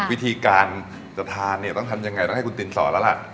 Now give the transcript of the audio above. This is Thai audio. วิธีการทานเองต้องทำอย่างไรยังไม่ติดสอนแล้วละ